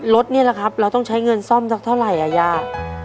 รถนี่แหละครับเราต้องใช้เงินซ่อมสักเท่าไหร่อ่ะย่า